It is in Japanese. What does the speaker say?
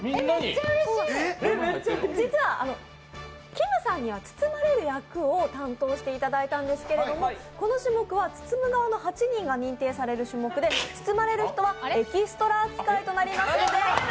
実はきむさんには包まれる役になっていただいたんですけどこの種目は包む側の８人が認定される種目で、包まれる人はエキストラ扱いとなりますので。